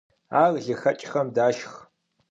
Ар лыхэкIхэм дашх.